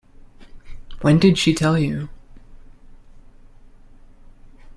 When did she tell you?